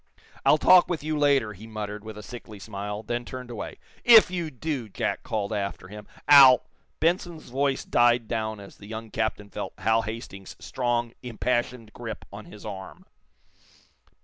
"I'll talk with you later," he muttered, with a sickly smile, then turned away. "If you do," Jack called after him, "I'll " Benson's voice died down as the young captain felt Hal Hastings's strong, impassioned grip on his arm.